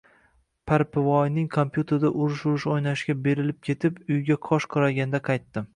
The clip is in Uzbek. Parpivoyning kompyuterida “urush-urush” o‘ynashga berilib ketib, uyga qosh qorayganda qaytdim